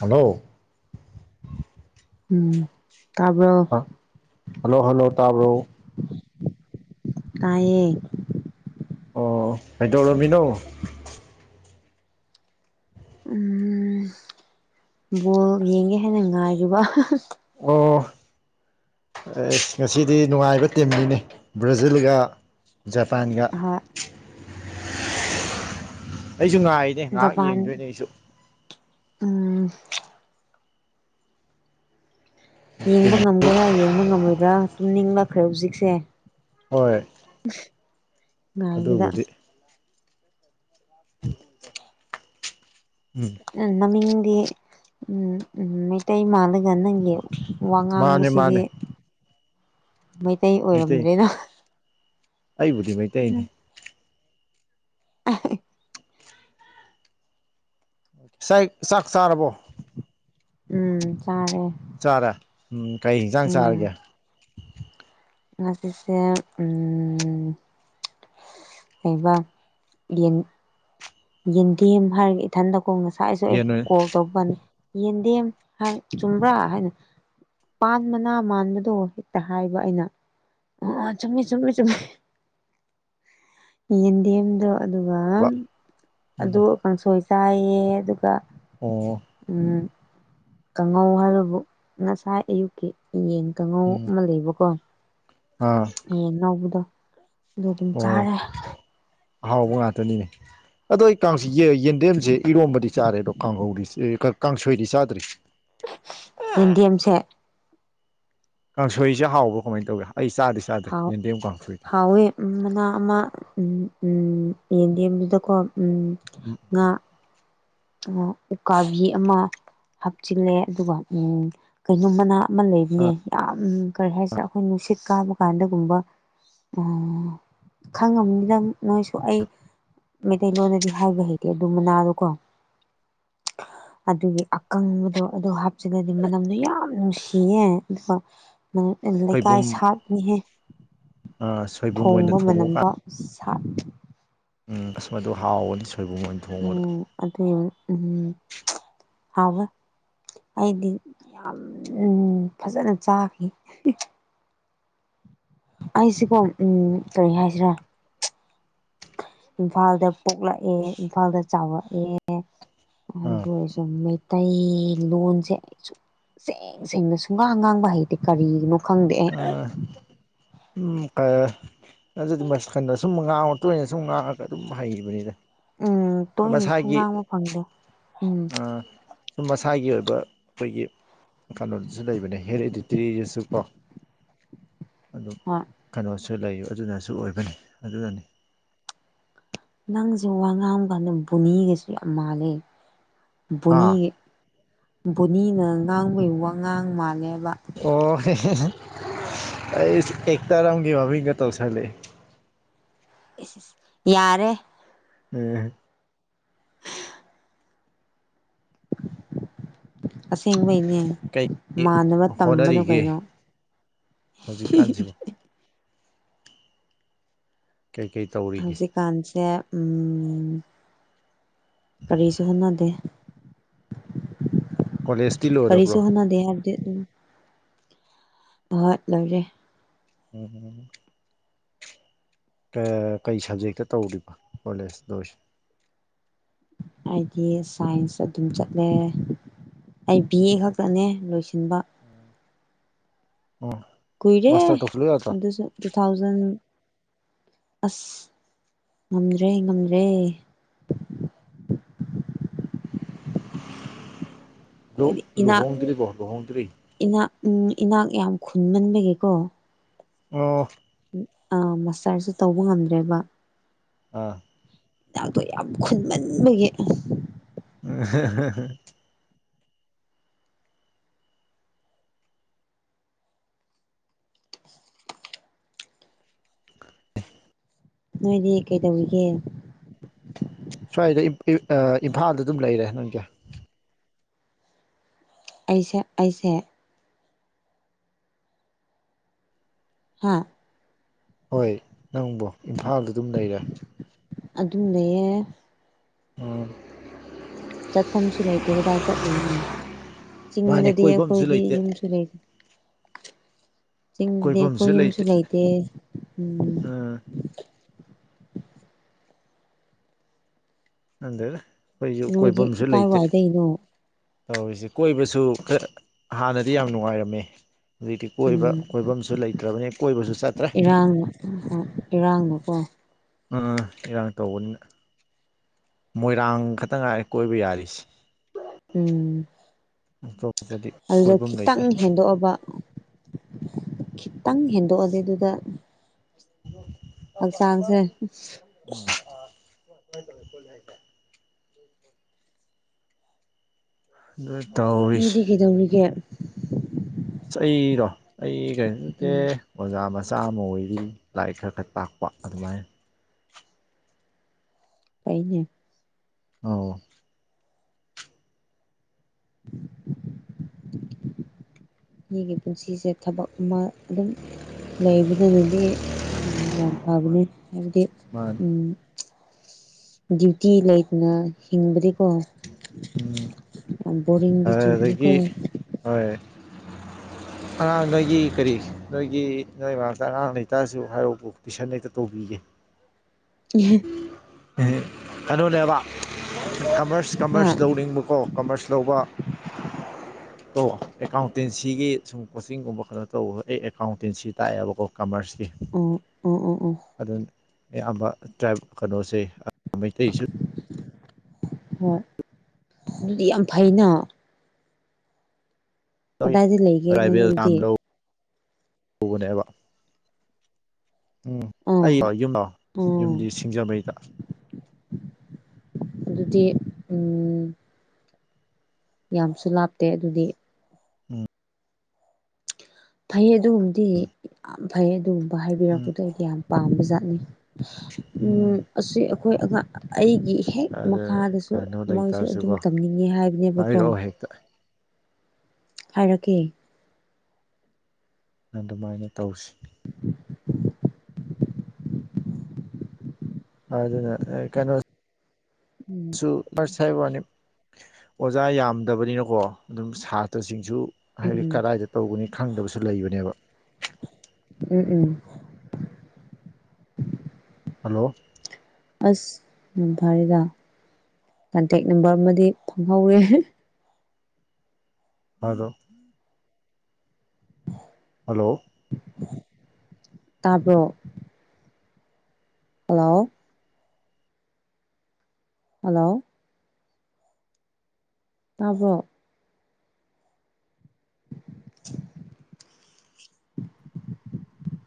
hello ꯎꯝ ꯇꯥꯕ꯭ꯔꯣ ꯑ hello hello ꯇꯥꯕ꯭ꯔꯣ ꯇꯌꯦ ꯑꯣ ꯍꯥꯏꯗꯣꯛꯔꯝꯃꯤꯅꯣ ꯎꯝ ꯕꯣꯜ ꯌꯦꯡꯒꯦ ꯍꯥꯏꯦꯅ ꯉꯥꯏꯔꯤꯕ ꯑꯣ ꯁ ꯉꯁꯤꯗꯤ ꯅꯨꯡꯉꯥꯏꯕ ꯇꯤꯝꯅꯤꯅꯤ ꯕ꯭ꯔꯥꯖꯤꯜꯒ ꯖꯄꯥꯟꯒ ꯍꯣꯏ ꯑꯩꯁꯨ ꯉꯥꯏꯔꯤꯅꯦ ꯉꯥꯏꯍꯥꯛ ꯖꯄꯥꯟ ꯌꯦꯡꯗꯣꯏꯅꯦ ꯑꯩꯁꯨ ꯎꯝ ꯇꯤꯝ ꯌꯦꯡꯕ ꯉꯝꯒꯦꯔꯥ ꯌꯦꯡꯕ ꯉꯝꯃꯣꯏꯕ꯭ꯔꯥ ꯇꯨꯝꯅꯤꯡ ꯂꯛꯈ꯭ꯔꯦ ꯍꯧꯖꯤꯛꯁꯦ ꯍꯣꯏ [unintelligible] ꯑꯗꯨꯕꯨꯗꯤ [unintelligible] ꯎꯝ ꯎ ꯃꯃꯤꯡꯗꯤ ꯎꯝ ꯎꯝ ꯃꯩꯇꯩ ꯃꯥꯂ ꯑꯗꯨꯗ ꯅꯪꯒꯤ ꯋꯥ ꯃꯥꯅꯦ ꯉꯥꯡꯕꯁꯤꯗꯤ ꯃꯥꯅꯦ ꯃꯩꯇꯩ ꯃꯩꯇꯩꯅꯤ ꯑꯣꯏꯔꯝꯗ꯭ꯔꯦꯗ ꯑꯩꯕꯨꯗꯤ ꯃꯩꯇꯩꯅꯦ [unintelligible] ꯆꯥꯛ ꯆꯥꯔꯕꯣ ꯎꯝ ꯆꯥꯔꯦ ꯆꯥꯔꯦ ꯎꯝ ꯀꯩ ꯌꯦꯟꯁꯥꯡ ꯆꯥꯔꯒꯦ ꯉꯖꯤꯁꯦ ꯎꯝ ꯀꯕ ꯌꯦꯟ ꯌꯦꯟꯗꯦꯝ ꯍꯥꯏꯔꯒ ꯏꯊꯟꯗꯀꯣ ꯉꯁꯥꯏ ꯑꯩꯁꯨ ꯑꯩ ꯌꯦꯟ ꯀꯣꯜ ꯇꯧꯕꯅꯤ ꯌꯦꯟꯗꯦꯝ ꯍꯥꯏ ꯆꯨꯝꯕ꯭ꯔꯥ ꯍꯥꯏꯅ ꯄ ꯃꯅꯥ ꯃꯥꯟꯕꯗꯣ ꯍꯦꯛꯇ ꯍꯥꯏꯕ ꯑꯩꯅ ꯑꯣ ꯆꯨꯝꯃꯤ ꯆꯨꯝꯃꯤ ꯆꯨꯝꯃꯤ ꯍ ꯌꯦꯟꯗꯦꯝꯗꯣ ꯑꯗꯨꯒ ꯑꯗꯨ ꯎꯝ ꯀꯥꯡꯁꯣꯏ ꯆꯥꯏꯌꯦ ꯑꯗꯨꯒ ꯑꯣ ꯎꯝ ꯀꯥꯡꯉꯧ ꯍꯥꯏꯕꯕꯨ ꯉꯁꯥꯏ ꯑꯌꯨꯛꯀꯤ ꯌꯦꯟ ꯇꯉꯧ ꯎꯝ ꯑꯃ ꯂꯩꯕꯀꯣ ꯑꯥ ꯌꯦꯟ ꯉꯧꯕꯗꯨ ꯑꯗꯨ ꯑꯗꯨꯝ ꯑꯣ ꯆꯥꯔꯦ ꯑꯍꯥꯎꯕ ꯉꯥꯛꯇꯅꯤꯅꯦ ꯑꯗꯣ ꯑꯩ ꯀꯥꯡꯁꯤ ꯌꯦ ꯌꯦꯟꯗꯦꯝꯁꯦ ꯏꯔꯣꯝꯕꯗꯤ ꯆꯥꯔꯦ ꯑꯗꯣ ꯀꯥꯡꯍꯧꯗꯤ ꯀꯥꯡꯁꯣꯏꯗꯤ ꯆꯥꯗ꯭ꯔꯤ ꯌꯦꯟꯗꯦꯝꯁꯦ ꯀꯥꯡꯁꯣꯏꯁꯦ ꯍꯥꯎꯕ꯭ꯔꯣ ꯀꯃꯥꯏꯅ ꯇꯧꯒꯦ ꯑꯩ ꯆꯥꯗꯤ ꯆꯥꯗ꯭ꯔꯦ ꯍꯥꯎ ꯌꯦꯟꯗꯦꯝ ꯀꯥꯡꯁꯣꯏꯗꯤ ꯍꯥꯎꯋꯦ ꯃꯅ ꯑꯃ ꯎꯝ ꯎꯝ ꯌꯦꯟꯗꯦꯝꯗꯨꯗꯀꯣ ꯎꯝ ꯉꯥ ꯑꯣ ꯎꯀꯥꯕꯤ ꯑꯃ ꯍꯥꯞꯆꯤꯜꯂꯦ ꯑꯗꯨꯒ ꯎꯝ ꯀꯩꯅꯣ ꯃꯅꯥ ꯑꯃ ꯂꯩꯕꯅꯦ ꯌꯥꯝ ꯀꯔꯤ ꯍꯥꯏꯁꯤꯔꯥ ꯑꯩꯈꯣꯏ ꯅꯨꯡꯁꯤ ꯃꯤꯠ ꯀꯥꯕꯀꯥꯟꯗꯒꯨꯝꯕ ꯎꯝ ꯈꯪꯉꯝꯅꯤ ꯅꯪ ꯅꯣꯏꯁꯨ ꯑꯩ ꯃꯩꯇꯩꯂꯣꯟꯗꯗꯤ ꯍꯥꯏꯕ ꯍꯩꯇꯦ ꯑꯗꯨꯝ ꯃꯅꯥꯗꯣꯀꯣ [inaudible] ꯑꯗꯨꯒꯤ ꯑꯀꯪꯕꯗꯣ ꯑꯗꯨ ꯍꯥꯞꯆꯜꯂꯗꯤ ꯃꯅꯝꯗꯣ ꯌꯥꯝ ꯅꯨꯡꯁꯤꯌꯦ ꯑꯗꯨꯒ ꯂꯩꯀꯥꯏ ꯁꯣꯏꯕꯨꯝ ꯁꯥꯠꯅꯤꯍꯦ ꯁꯣꯏꯕꯨꯝ ꯑꯣꯏꯅ ꯊꯣꯡꯕ ꯀꯥꯟ ꯃꯅꯝꯗ ꯊ ꯎꯝ ꯑꯁ ꯃꯗꯨ ꯍꯥꯎꯕꯅꯤ ꯁꯨ ꯎꯝ ꯑꯗꯨ ꯎꯝ ꯍꯥꯎꯑꯦ ꯑꯩꯗꯤ ꯌꯥꯝ ꯎꯝ ꯐꯖꯅ ꯆꯥꯈꯤ ꯑꯩꯁꯤꯀꯣ ꯎꯝ ꯀꯔꯤ ꯍꯥꯏꯁꯤꯔꯥ ꯏꯝꯐꯥꯜꯗ ꯄꯣꯛꯂꯛꯑꯦ ꯏꯝꯐꯥꯜꯗ ꯆꯥꯎꯔꯛꯑꯦ ꯑꯥ [unintelligible] ꯑꯇꯩ ꯂꯣꯟꯁꯦ ꯁꯨꯛꯁꯦꯡ ꯁꯦꯡꯅ ꯁꯨꯡꯉꯥꯡ ꯉꯥꯡꯕ ꯍꯩꯇꯦ ꯀꯔꯤꯒꯤꯅꯣ ꯈꯪꯗꯦꯑꯦ ꯎ ꯑꯗꯨꯗꯤꯁꯩꯅꯗꯣ ꯁꯨꯝ ꯉꯥꯡ ꯇꯣꯏꯅ ꯁꯨꯝ ꯉꯥꯡꯉꯒ ꯑꯗꯨꯝ ꯍꯩꯕꯅꯤꯗ ꯎꯝ ꯇꯣꯏꯅꯁꯨ ꯉꯥꯡꯕ ꯐꯪꯗꯦ ꯎꯝ ꯑ ꯁꯨꯝ ꯃꯁꯥꯒꯤ ꯑꯣꯏꯕ ꯑꯩꯈꯣꯏꯒꯤ ꯀꯩꯅꯣꯗꯨꯁꯨ ꯂꯩꯕꯅꯦ ꯍꯦꯌꯔ ꯏꯗꯤꯇꯔꯤꯗꯁꯨ ꯀꯣ [inaudible] ꯑꯗꯨꯝ ꯍꯣꯏ ꯀꯩꯅꯣꯁꯨ ꯂꯩꯕ ꯑꯗꯨꯅꯁꯨ ꯑꯣꯏꯕꯅꯤ ꯑꯗꯨꯅꯅꯤ ꯅꯪꯁꯦ ꯋꯥ ꯉꯥꯡ ꯀꯥꯟꯗ ꯕꯨꯅꯤꯒꯁꯨ ꯌꯥꯝ ꯃꯥꯜꯂꯦ ꯍꯥ ꯕꯣꯅꯤ ꯕꯣꯅꯤꯅ ꯉꯥꯡꯕꯩ ꯋꯥ ꯉꯥꯡ ꯃꯥꯜꯂꯦ ꯑꯣ ꯑꯩꯁ ꯑꯦꯛꯇꯔ ꯑꯃꯒꯤ ꯃꯃꯤꯡꯒ ꯇꯧꯁꯜꯂꯦ ꯏꯁ ꯌꯥꯔꯦ ꯎꯝ ꯑꯁꯦꯡꯕꯩꯅꯦ ꯀꯩ ꯃꯥꯟꯅꯕ ꯇꯝꯕꯗꯣ ꯀꯩꯅꯣ ꯍꯧꯖꯤꯛ ꯀꯥꯟꯁꯤꯕꯨ ꯀꯩꯀꯩ ꯇꯧꯔꯤꯒꯦ ꯍꯧꯖꯤꯛꯀꯥꯟꯁꯦ ꯎꯝ ꯀꯔꯤꯁꯨꯍꯨꯅꯗꯦ ꯀꯣꯂꯦꯖꯇꯤ ꯀꯔꯤꯁꯨ ꯂꯣꯏꯔꯕ꯭ꯔꯣ ꯍꯣꯠꯅꯗꯦ ꯍꯥꯏꯕꯗꯤ ꯑꯗꯨꯝ ꯚꯠ ꯂꯣꯏꯔꯦ ꯎꯝ ꯎꯝ ꯀ ꯀꯩ ꯁꯕꯖꯦꯛꯇ ꯇꯧꯔꯤꯕ ꯀꯣꯂꯦꯖ ꯇꯣꯏꯁꯦ ꯑꯩꯗꯤ ꯁꯥꯏꯟꯁ ꯑꯗꯨꯝ ꯆꯠꯂꯦ ꯑꯩ ꯕꯤ ꯑꯦ ꯈꯛꯇꯅꯦ ꯂꯣꯏꯁꯤꯜꯂ ꯁꯤꯟꯕ ꯑꯣ ꯀꯨꯏꯔꯦ ꯃꯥꯁꯇꯔ ꯇꯧꯁꯤꯜꯂꯨ ꯌꯥꯗ꯭ꯔꯣ ꯑꯗꯨꯁꯨ ꯇꯨ ꯊꯥꯎꯖꯟ ꯑꯁ ꯉꯝꯗ꯭ꯔꯦ ꯉꯝꯗ꯭ꯔꯦ ꯂꯨ ꯈꯣꯏꯗꯤ ꯏꯅꯥꯠꯅꯤ ꯂꯨꯍꯣꯡꯗ꯭ꯔꯤꯕꯣ ꯂꯨꯍꯣꯡꯗ꯭ꯔꯤ ꯏꯅꯥꯠꯅꯤ ꯎꯝ ꯏꯅꯥꯛ ꯌꯥꯝ ꯈꯨꯟꯃꯟꯕꯒꯤꯀꯣ ꯑ ꯑꯥ ꯃꯁꯇꯔꯁꯨ ꯇꯧꯕ ꯉꯝꯗ꯭ꯔꯦꯕ ꯑꯥ ꯍꯤꯅꯥꯛꯇꯣ ꯌꯥꯝ ꯈꯨꯟꯃꯟꯕꯒꯤ ꯎ ꯅꯣꯏꯗꯤ ꯀꯩꯗꯧꯔꯤꯒꯦ ꯁ꯭ꯋꯥꯏꯗ ꯏꯝꯐꯥꯜꯗ ꯑꯗꯨꯝ ꯂꯩꯔꯦ ꯅꯪꯒꯤ ꯑꯩꯁꯦ ꯑꯩꯁꯦ ꯍꯥꯥ ꯍꯣꯏ ꯅꯪꯕꯨ ꯏꯝꯐꯥꯜꯗ ꯑꯗꯨꯝ ꯂꯩꯔꯦ ꯑꯗꯨ ꯂꯩꯌꯦꯦ ꯑ ꯆꯠꯐꯝꯁꯨ ꯂꯩꯇꯦ ꯀꯗꯥꯏ ꯆꯠꯂꯨꯅꯤ ꯃꯥꯅꯦ ꯆꯤꯡꯗꯗꯤ ꯀꯣꯏꯐꯝꯁꯨ ꯑꯩꯈꯣꯏꯗꯤ ꯂꯩꯇꯦ ꯌꯨꯝꯁꯨ ꯂꯩꯗ ꯆꯤꯡꯗꯗꯤ ꯑꯩꯈꯣꯏ ꯌꯨꯝꯁꯨ ꯂꯩꯇꯦ ꯎꯝ ꯑꯗ ꯑꯩꯈꯣꯏꯁꯨ ꯅꯣꯏꯗꯤ ꯀꯣꯏꯐꯝꯁꯨ ꯂꯩꯇꯦ ꯀꯥꯏꯋꯥꯏꯗꯩꯅꯣ ꯇꯧꯔꯤꯁꯦ ꯀꯣꯏꯕꯁꯨ ꯍꯥꯟꯅꯗꯤ ꯌꯥꯝ ꯅꯨꯡꯉꯥꯏꯔꯝꯃꯦ ꯍꯧꯖꯤꯛꯇꯤ ꯀꯣꯏꯕ ꯎꯝ ꯀꯣꯏꯐꯝꯁꯨ ꯂꯩꯇ꯭ꯔꯕꯅꯤ ꯀꯣꯏꯕꯁꯨ ꯆꯠꯇ꯭ꯔꯦ ꯏꯔꯥꯡꯅ ꯏꯔꯥꯡꯅꯀꯣ ꯎꯝ ꯏꯔꯥꯡ ꯇꯧꯕꯅꯤꯅ ꯃꯣꯏꯔꯥꯡ ꯈꯛꯇ ꯉꯥꯏꯔꯦ ꯀꯣꯏꯕ ꯌꯥꯔꯤꯁꯦ ꯎꯝ ꯑꯇꯣꯞꯄꯗꯤ ꯑꯗꯨꯗ ꯀꯣꯏꯐꯝ ꯂꯩꯇ꯭ꯔꯦ ꯈꯤꯇꯪ ꯍꯦꯟꯗꯣꯛꯑꯕ ꯈꯤꯇꯪ ꯍꯦꯟꯗꯣꯛꯑꯗꯤꯦ ꯑꯗꯨꯗ ꯐꯛ ꯆꯥꯡꯁꯦ ꯇ ꯀ ꯑꯗꯨ ꯇꯧꯔꯤꯁꯦ ꯅꯣꯏꯗꯤ ꯀꯩꯗꯧꯔꯤꯒꯦ ꯑꯩꯔꯣ ꯑꯩ ꯀꯩꯅꯣ ꯅꯠꯇꯦ ꯎꯝ ꯑꯣꯖꯥ ꯃ ꯆꯥꯝꯃ ꯑꯣꯏꯔꯤ ꯂꯥꯏ ꯈꯔ ꯈꯔ ꯇꯥꯛꯄ ꯑꯗꯨꯃꯥꯏꯅ ꯑꯩꯅꯦ ꯑ [unintelligible] ꯃꯤꯒꯤ ꯄꯨꯟꯁꯤꯁꯦ ꯊꯕꯛ ꯑꯃ ꯑꯗꯨꯝ ꯂꯩꯕꯗꯅꯗꯤ ꯌꯥꯝ ꯐꯕꯅꯦ ꯃꯥꯅꯤ ꯍꯥꯏꯕꯗꯤ ꯃꯥꯅꯤ ꯗ꯭ꯌꯨꯇꯤ ꯂꯩꯗꯅ ꯍꯤꯡꯕꯗꯤꯀꯣ ꯎꯝ ꯌꯥꯝ ꯕꯣꯔꯤꯡꯗꯤ ꯑꯗꯨ ꯆꯨꯕꯅꯤꯀꯣ ꯑꯗꯒꯤ ꯍꯣꯏ ꯑꯉꯥꯡ ꯅꯣꯏꯒꯤ ꯀꯔꯤ ꯅꯣꯏꯒꯤ ꯅꯣꯏ ꯃꯔꯛꯇ ꯑꯉꯥꯡ ꯂꯩꯇꯔꯁꯨ ꯍꯥꯏꯔꯥꯎꯕꯨ ꯄꯨꯏꯁꯟ ꯂꯩꯇ ꯇꯧꯕꯤꯒꯦ ꯎ ꯎ ꯀꯩꯅꯣꯅꯦꯕ ꯀꯃꯔꯁ ꯍꯥ ꯀꯃꯔꯁ ꯂꯧꯅꯤꯡꯕꯀꯣ ꯀꯃꯔꯁ ꯂꯧꯕ ꯇꯣ ꯑꯦꯀꯥꯎꯟꯇꯦꯟꯁꯤꯒꯤ ꯁꯨꯝ ꯀꯣꯆꯤꯡꯒꯨꯝꯕ ꯈꯩꯅꯣ ꯇꯧꯕ ꯑꯩ ꯑꯦꯀꯥꯎꯟꯇꯦꯟꯁꯤ ꯇꯥꯛꯑꯦꯕꯀꯣ ꯀꯃꯔꯁ ꯑꯣ ꯑꯣ ꯑꯣ ꯑꯣ ꯑꯌꯥꯝꯕ ꯇ꯭ꯔꯥꯏꯕ ꯀꯩꯅꯣꯁꯦ ꯃꯩꯇꯩꯁꯨ ꯍꯣꯏ ꯑꯗꯨꯗꯤ ꯌꯥꯝ ꯐꯩꯅ ꯀꯗꯥꯏꯗ ꯂꯩꯒꯦ ꯅꯪ ꯔꯥꯏꯕꯦꯜ ꯊꯝ ꯑꯗꯨꯗꯤ ꯂꯧ ꯐꯅꯦꯕ ꯎꯝ ꯑꯥ ꯑꯩꯥꯛ ꯌꯨꯝ ꯂꯥꯛꯑꯣ ꯑꯣ ꯌꯨꯝꯗꯤ ꯁꯤꯡꯖꯃꯩꯗ ꯇ ꯎꯝ ꯌꯥꯝꯁꯨ ꯂꯥꯞꯇꯦ ꯑꯗꯨꯗꯤ ꯎꯝ ꯐꯩ ꯑꯗꯨꯒꯨꯝꯕꯗꯤ ꯌꯥꯝ ꯐꯩ ꯑꯗꯨꯒꯨꯝꯕ ꯎꯝ ꯍꯥꯏꯕꯤꯔꯛꯄꯗ ꯑꯩꯗꯤ ꯌꯥꯝ ꯄꯥꯝꯕ ꯖꯥꯠꯅꯤ ꯎꯝ ꯑꯁꯤ ꯑꯩꯈꯣꯏ ꯑꯉꯥꯡ ꯑꯩꯒꯤ ꯍꯦꯛ ꯑꯗꯨ ꯃꯈꯥꯗꯁꯨ ꯀꯩꯅꯣ ꯃꯣꯏꯁꯨ ꯑꯗꯨꯝ ꯂꯩꯇꯥꯔꯁꯨꯀꯣ ꯇꯝꯅꯤꯡꯉꯦ ꯍꯥꯏꯕꯅꯦꯕꯀꯣ ꯍꯥꯏꯔꯛꯑꯣ ꯍꯦꯛꯇ ꯍꯥꯏꯔꯛꯀꯦ ꯑꯗꯨꯃꯥꯏꯅ ꯇꯧꯁꯤ ꯑꯗꯨꯅ ꯀꯩꯅꯣ ꯎꯝ ꯉꯁꯥꯏ ꯋꯥꯅꯤ ꯑꯣꯖꯥ ꯌꯥꯝꯗꯕꯅꯤꯅꯀꯣ ꯑꯗꯨꯝ ꯁꯥꯇ꯭ꯔꯁꯤꯡꯁꯨ ꯍꯥꯏꯕꯗꯤ ꯎꯝ ꯀꯗꯥꯏꯗ ꯇꯧꯒꯅꯤ ꯈꯪꯗꯕꯁꯨ ꯂꯩꯕꯅꯦꯕ ꯎꯝ ꯎꯝ ꯍꯜꯂꯣ ꯑꯁ ꯝꯐꯔꯒ ꯀꯟꯇꯦꯛ ꯅꯝꯕꯔ ꯑꯃꯗꯤ ꯐꯪꯍꯧꯔꯦ ꯃꯣꯏꯗ [inaudible] ꯍꯜꯂꯣ ꯇꯥꯕꯣ ꯍꯂꯑꯣ ꯍꯜꯂꯣ ꯇꯥꯕꯣ [inaudible]